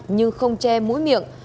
nhưng không che mũi miệng